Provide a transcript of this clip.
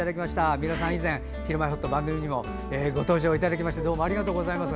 三浦さんは以前「ひるまえほっと」番組にもご登場いただきましてどうもありがとうございます。